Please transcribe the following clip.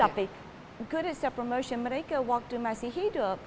tapi mereka yang baik dalam promosi diri mereka waktu masih hidup